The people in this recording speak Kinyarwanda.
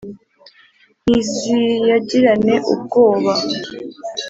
Ntiziyagirane ubwoba